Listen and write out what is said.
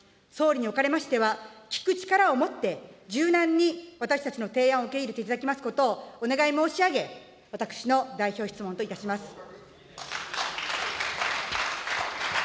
総理におかれましては、聞く力をもって、柔軟に私たちの提案を受け入れていただきますことをお願い申し上げ、私の代表質問といたします。